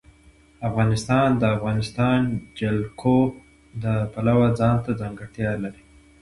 افغانستان د د افغانستان جلکو د پلوه ځانته ځانګړتیا لري.